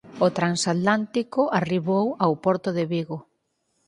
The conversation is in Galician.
O transatlántico arribou ao porto de Vigo.